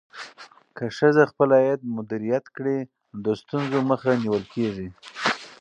که ښځه خپل عاید مدیریت کړي، نو د ستونزو مخه نیول کېږي.